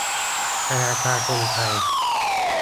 ธนาคารกรุงไทย